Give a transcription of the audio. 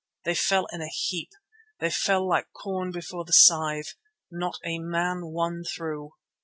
They fell in a heap; they fell like corn before the scythe, not a man won through.